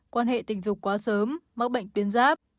quan hệ tình dục quá sớm mắc bệnh tuyến giáp